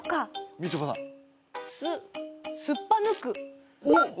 みちょぱさんすっすっぱ抜くおお！